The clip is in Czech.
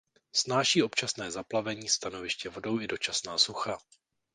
Snáší občasné zaplavení stanoviště vodou i dočasná sucha.